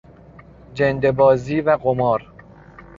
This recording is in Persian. جندهبازی و قمار